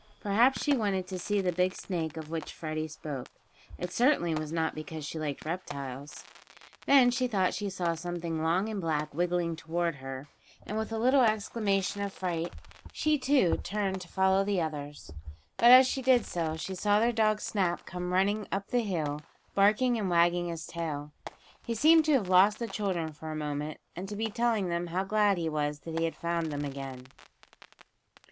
Perhaps she wanted to see the big snake of which Freddie spoke. It certainly was not because she liked reptiles. Then she thought she saw something long and black wiggling toward her, and, with a little exclamation of fright, she, too, turned to follow the others. But, as she did so, she saw their dog Snap come running up the hill, barking and wagging his tail. He seemed to have lost the children for a moment and to be telling them how glad he was that he had found them again.